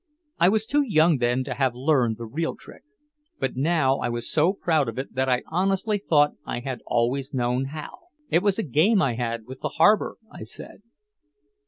I was too young then to have learned the real trick. But now I was so proud of it that I honestly thought I had always known how. "It was a game I had with the harbor," I said.